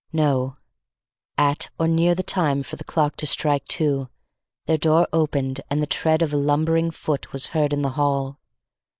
No; at or near the time for the clock to strike two, their door opened and the tread of a lumbering foot was heard in the hall.